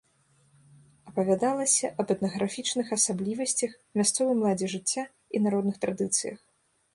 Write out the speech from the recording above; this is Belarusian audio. Апавядалася аб этнаграфічных асаблівасцях, мясцовым ладзе жыцця і народных традыцыях.